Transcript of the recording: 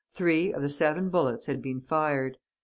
Three of the seven bullets had been fired.